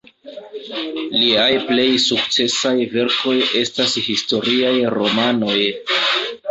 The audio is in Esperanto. Liaj plej sukcesaj verkoj estas historiaj romanoj.